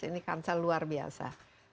ini kamsa luar biasa